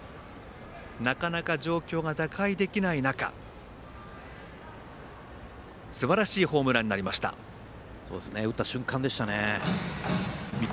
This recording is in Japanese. なかなか、状況が打開できない中すばらしいホームランに打った瞬間でしたね。